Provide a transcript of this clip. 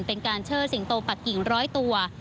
เป็นการเชิดสิงโตปักกิ่งร้อยตัว